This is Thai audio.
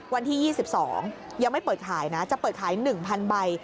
วันที่๒๒ยังไม่เปิดขายนะจะเปิดขาย๑๐๐ใบ